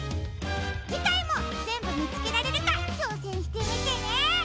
じかいもぜんぶみつけられるかちょうせんしてみてね！